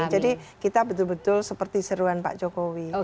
jadi kita betul betul seperti seruan pak jokowi